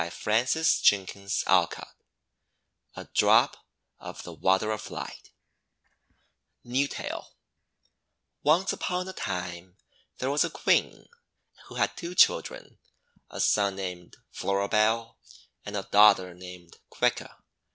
GLADYS WOLCOTT BARNES A DROP OF THE WATER OF LIGHT New Tale ONCE upon a time, there was a Queen who had two children, a son named Floribel, and a daughter named Coeca.